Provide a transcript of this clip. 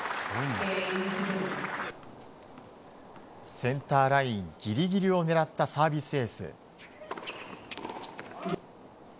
センターラインギリギリを狙ったサービスエース。